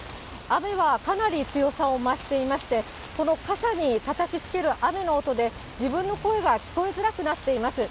雨はかなり強さを増していまして、この傘にたたきつける雨の音で、自分の声が聞こえづらくなっています。